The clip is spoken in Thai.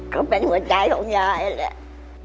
ก็เป็นหัวใจของยายแหละ